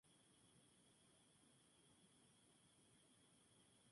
Niebla es dado a los excesos contra los que lucha.